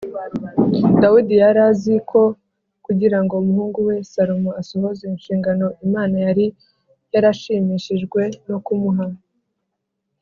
dawidi yari azi ko kugira ngo umuhungu we salomo asohoze inshingano imana yari yarashimishijwe no kumuha,